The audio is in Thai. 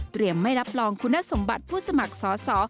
ไม่รับรองคุณสมบัติผู้สมัครสอสอ